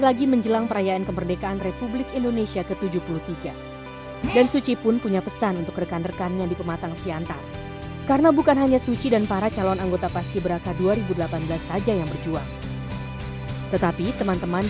kalau dari orang tua sih semangat aja jalanin